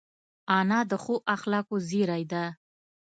انا د ښو اخلاقو زېری ده